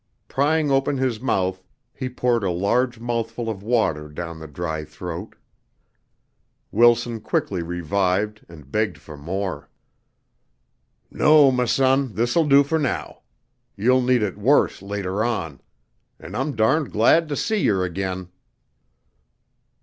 Prying open his mouth, he poured a large mouthful of water down the dry throat. Wilson quickly revived and begged for more. "No, m' son, this'll do fer now. You'll need it worse later on. An' I'm darned glad to see yer again."